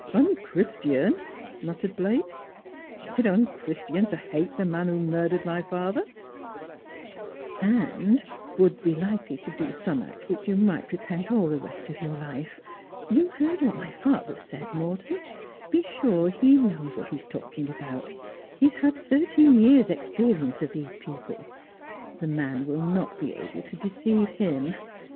Unchristian !' muttered Blake. ' Is it unchristian to hate the man who murdered my father ']'' And would be likely to do some act which you might repent all the rest of your life. You heard what my father said, Morton 1 Be sure he knows what he is talking about. He has had thirteen years' experience of these people. The man will not be able to deceive him.